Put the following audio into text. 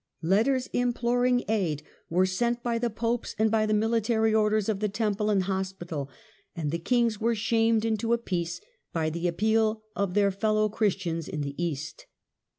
Letters imploring aid were sent by the popes and by the Mili tary Orders of the Temple and Hospital; and the kings were shamed into a peace by the appeal of their fellow Christians in the East.